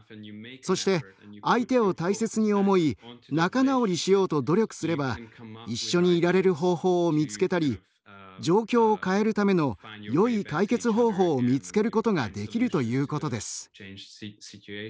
そして相手を大切に思い仲直りしようと努力すれば一緒にいられる方法を見つけたり状況を変えるためのよい解決方法を見つけることができるということです。